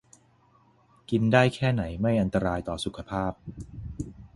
กินได้แค่ไหนไม่อันตรายต่อสุขภาพ